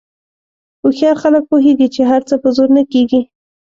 هوښیار خلک پوهېږي چې هر څه په زور نه کېږي.